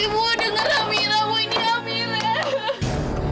ibu dengar amira